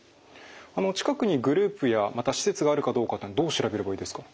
近くにグループやまた施設があるかどうかというのはどう調べればいいですか？